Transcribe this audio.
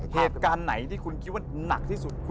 เกิดขั้นไหนที่คุณคิดว่านักที่สุด